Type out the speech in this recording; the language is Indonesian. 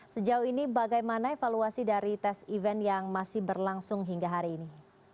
sejauh ini bagaimana evaluasi dari tes event yang masih berlangsung hingga hari ini